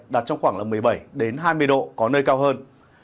đạt trong khoảng một mươi bảy hai mươi độ có nơi cao hơn